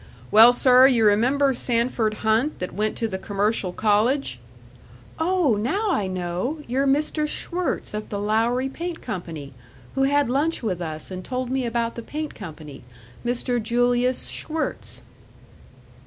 Well, sir, you remember Sanford Hunt that went to the commercial college " "Oh, now I know you're Mr. Schwirtz of the Lowry Paint Company, who had lunch with us and told me about the paint company Mr. Julius Schwirtz."